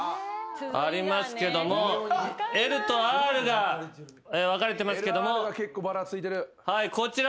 ありますけども「ｌ」と「ｒ」が分かれてますけどもはいこちら。